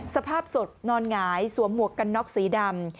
สภาพศพนอนหงายสวมหมวกกันน็อกสีดำ